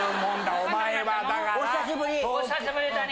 お久しぶりだね。